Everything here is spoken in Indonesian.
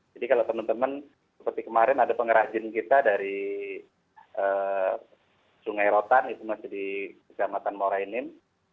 jadi kalau teman teman seperti kemarin ada pengrajin kita dari sungai rotan itu masih di kecamatan morainim